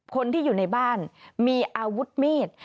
คนที่อยู่ในบ้านมีอาวุธมีด